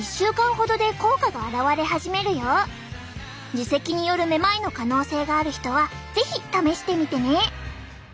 耳石によるめまいの可能性がある人は是非試してみてね！